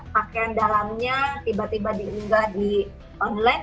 pakaian dalamnya tiba tiba diunggah di online